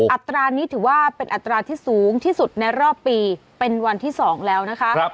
อัตรานี้ถือว่าเป็นอัตราที่สูงที่สุดในรอบปีเป็นวันที่๒แล้วนะคะ